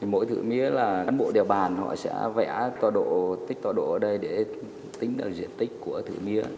mỗi thử mía là văn bộ điều bàn họ sẽ vẽ tích tọa độ ở đây để tính được diện tích của thử mía